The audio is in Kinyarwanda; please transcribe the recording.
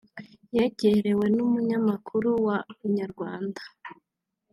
yegerewe n'umunyamakuru wa Inyarwanda